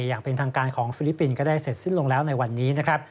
อย่างเป็นทางการของฟิลิปปินส์ก็ได้เสร็จสิ้นลงแล้วในวันนี้นะครับ